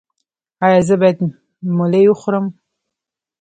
ایا زه باید ملی وخورم؟